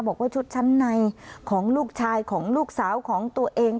บอกว่าชุดชั้นในของลูกชายของลูกสาวของตัวเอง